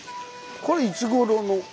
これいつごろの？